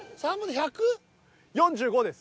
１４５です。